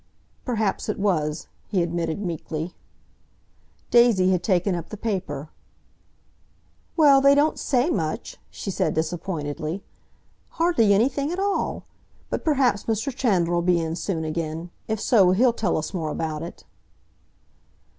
"Perhaps it was," he admitted meekly. Daisy had taken up the paper. "Well, they don't say much," she said disappointedly. "Hardly anything at all! But perhaps Mr. Chandler 'll be in soon again. If so, he'll tell us more about it."